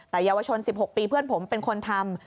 แต่เยาวชน๑๖ปีเพื่อนผมเป็นคนทำ